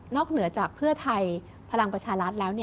เหนือจากเพื่อไทยพลังประชารัฐแล้ว